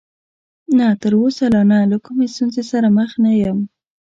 نه، تر اوسه لا نه، له کومې ستونزې سره مخ نه یم.